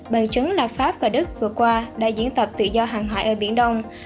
bằng chứng là pháp và đức vừa qua đã diễn tập tự do hàng hải ở biển đông